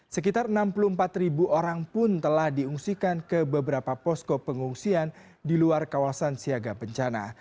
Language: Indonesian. sekitar enam puluh empat ribu orang pun telah diungsikan ke beberapa posko pengungsian di luar kawasan siaga bencana